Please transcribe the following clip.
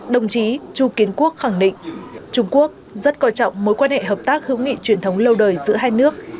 đồng chí chu kiến quốc khẳng định trung quốc rất coi trọng mối quan hệ hợp tác hữu nghị truyền thống lâu đời giữa hai nước